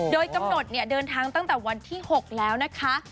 โดยกำหนดเดินทางตั้งแต่วันที่๖แล้วนะคะ